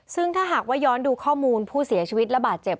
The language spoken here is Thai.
ซึ่งถ้าหากว่าย้อนดูข้อมูลผู้เสียชีวิตระบาดเจ็บ